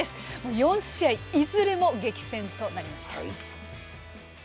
４試合いずれも激戦となりました。